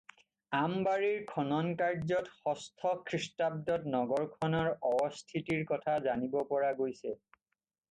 আমবাৰীৰ খননকাৰ্যত ষষ্ঠ খ্ৰীষ্টাব্দত নগৰখনৰ অৱস্থিতিৰ কথা জানিব পৰা গৈছে।